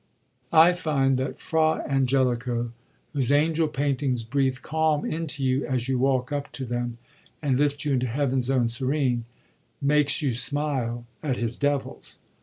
I find that Fra Angelico, whose an gel pictures 'hreathe calm into you as you walk up to them, and lift you into Heaven's own serene, makes you smile at his deyils.